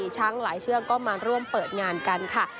ช้างหลายเชือกก็มาร่วมเปิดงานกันค่ะ